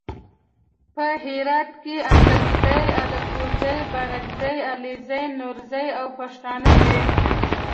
په هرات کې اڅګزي الکوزي بارګزي علیزي نورزي او پښتانه دي.